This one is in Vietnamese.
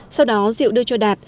sau đó diệu đưa cho đạt